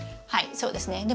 はいそうですね。